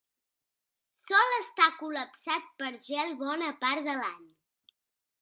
Sol estar col·lapsat pel gel bona part de l'any.